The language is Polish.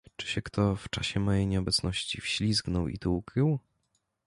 "Czy się kto w czasie mojej nieobecności wślizgnął i tu ukrył?"